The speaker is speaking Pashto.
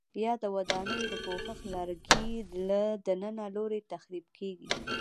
یا د ودانیو د پوښښ لرګي له دننه لوري تخریب کېږي؟